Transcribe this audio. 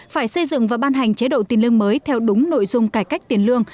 phải xây dựng và ban hành chế độ tiền lương mới theo đúng nội dung cải cách tiền lương